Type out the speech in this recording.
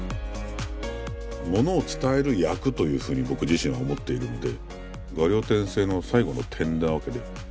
ものを伝える役というふうに僕自身は思っているので「画竜点睛」の最後の点なわけで。